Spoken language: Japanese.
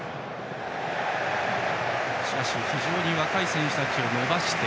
しかし非常に若い選手たちを伸ばして。